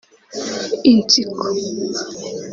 Insiko